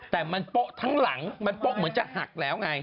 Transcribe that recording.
แต่มันโป๊ะทั้งหลังมันโป๊ะเหมือนจะหักแล้วไง